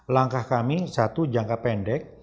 langkah kami satu jangka pendek